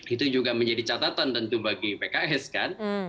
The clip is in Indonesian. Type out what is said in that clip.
itu juga menjadi catatan tentu bagi pks kan